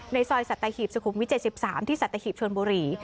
ในซอยสัตยาหิบสุขุมวิ๗๓ที่สัตยาหิบชวนบุหรี